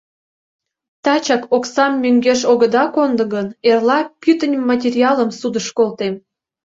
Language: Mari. Тачак оксам мӧҥгеш огыда кондо гын, эрла пӱтынь материалым судыш колтем.